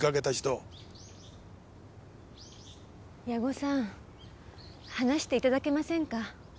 矢後さん話していただけませんか？